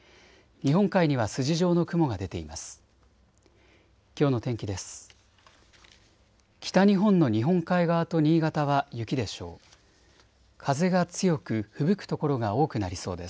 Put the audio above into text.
日本海には筋状の雲が出ています。